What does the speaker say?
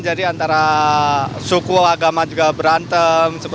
jadi antara suku agama juga berantem